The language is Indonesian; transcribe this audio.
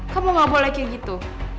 kamu gak boleh kayak gitu